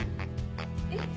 えっ？